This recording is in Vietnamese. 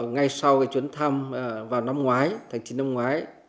ngay sau chuyến thăm vào năm ngoái thành chính năm ngoái